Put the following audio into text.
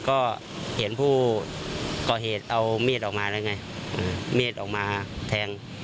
ก็เห็นผู้ก่อเหตุเอามีดออกมาแล้วไงมีดออกมาแทง